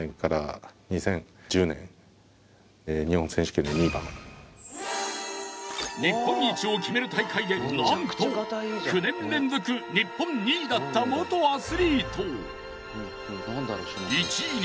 この人日本一を決める大会でなんと９年連続日本２位だった元アスリート。